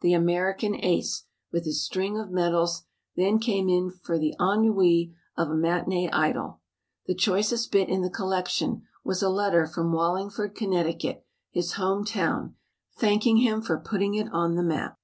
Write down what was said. The American "Ace," with his string of medals, then came in for the ennuis of a matinee idol. The choicest bit in the collection was a letter from Wallingford, Conn., his home town, thanking him for putting it on the map.